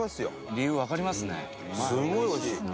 理由わかりますね。